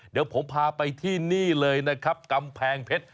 เดี๋ยวผมพาไปที่นี่เลยนะครับกำแพงเพชร